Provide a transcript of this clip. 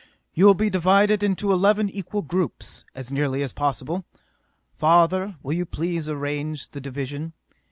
"You will be divided into eleven equal groups, as nearly as possible. Father, will you please arrange the division?